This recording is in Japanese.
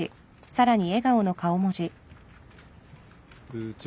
部長。